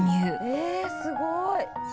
「えすごい！」